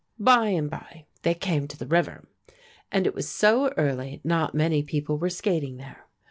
By and by they came to the river, and it was so early not many people were skating there.